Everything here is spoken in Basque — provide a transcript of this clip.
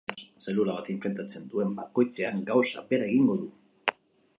Zelula bat infektatzen duen bakoitzean gauza bera egingo du.